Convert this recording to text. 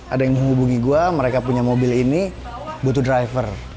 ada yang menghubungi gue mereka punya mobil ini butuh driver